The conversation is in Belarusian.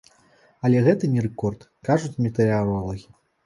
Але гэта не рэкорд, кажуць метэаролагі.